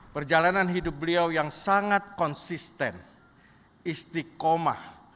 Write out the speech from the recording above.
perjalanan hidup beliau yang sangat konsisten istiqomah